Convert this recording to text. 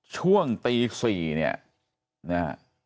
ช่วงตี๔เนี่ยนะฮะ